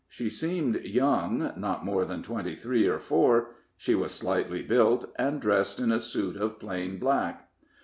She seemed young, not more than twenty three or four; she was slightly built, and dressed in a suit of plain black.